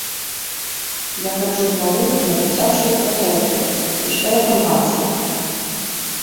Я хаджу з малым на дзіцячую пляцоўку, і што я там бачу?